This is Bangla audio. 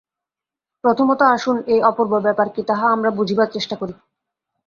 প্রথমত আসুন, এই অপূর্ব ব্যাপার কি, তাহা আমরা বুঝিবার চেষ্টা করি।